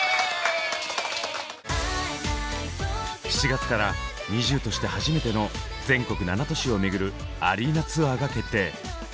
７月からＮｉｚｉＵとして初めての全国７都市を巡るアリーナツアーが決定！